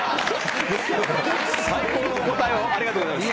最高の答えをありがとうございます。